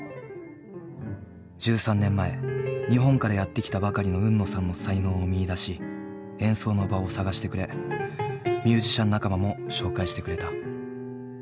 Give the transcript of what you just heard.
１３年前日本からやって来たばかりの海野さんの才能を見いだし演奏の場を探してくれミュージシャン仲間も紹介してくれた。